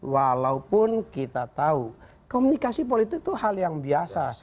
walaupun kita tahu komunikasi politik itu hal yang biasa